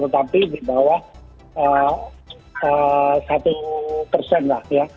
tetapi di bawah satu persen lah ya